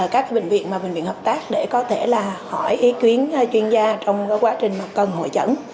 các bệnh viện mà bệnh viện hợp tác để có thể là hỏi ý kiến chuyên gia trong quá trình mà cần hội chẩn